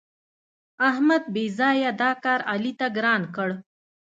احمد بېځآیه دا کار علي ته ګران کړ.